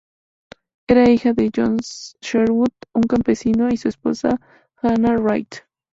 Era hija de John Sherwood, un campesino y su esposa Hannah Wright.